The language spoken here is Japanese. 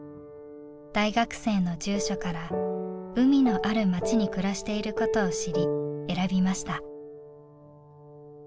大学生の住所から海のある街に暮らしていることを知り選びました。